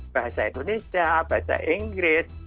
bahasa indonesia bahasa inggris